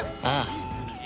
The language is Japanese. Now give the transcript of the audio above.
ああ。